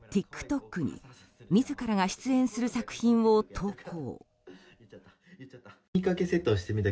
ＴｉｋＴｏｋに自らが出演する作品を投稿。